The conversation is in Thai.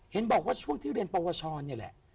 เห็นบอกว่าช่วงที่เรียนปวชรนี่แหละ